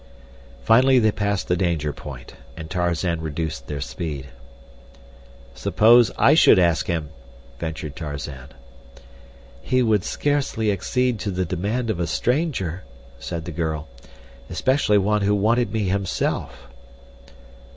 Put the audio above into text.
Finally they passed the danger point, and Tarzan reduced their speed. "Suppose I should ask him?" ventured Tarzan. "He would scarcely accede to the demand of a stranger," said the girl. "Especially one who wanted me himself."